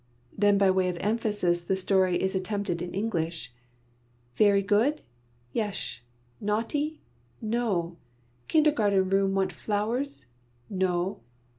Then by way of emphasis the story is attempted in English: "Very good? Yesh. Naughty? No. Kindergarten room want flowers? No.